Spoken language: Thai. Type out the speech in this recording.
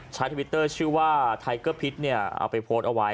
ทวิตเตอร์ชื่อว่าไทเกอร์พิษเนี่ยเอาไปโพสต์เอาไว้